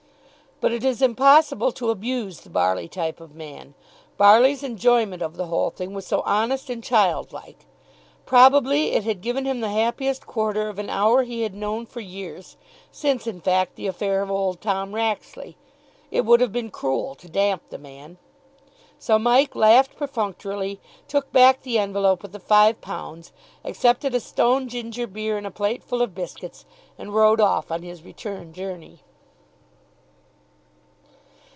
But it is impossible to abuse the Barley type of man. Barley's enjoyment of the whole thing was so honest and child like. Probably it had given him the happiest quarter of an hour he had known for years, since, in fact, the affair of old Tom Raxley. It would have been cruel to damp the man. So Mike laughed perfunctorily, took back the envelope with the five pounds, accepted a stone ginger beer and a plateful of biscuits, and rode off on his return journey.